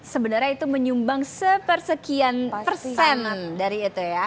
sebenarnya itu menyumbang sepersekian persen dari itu ya